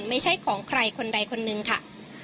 ไม่ใช่ของใครคนใดคนนึงค่ะ